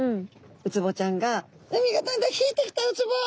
ウツボちゃんが「海がだんだん引いてきたウツボ！